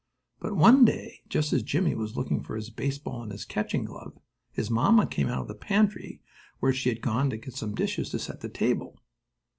But, one day, just as Jimmie was looking for his baseball and his catching glove, his mamma came out of the pantry, where she had gone to get some dishes to set the table.